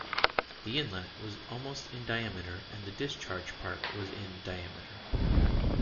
The inlet was almost in diameter and the discharge part was in diameter.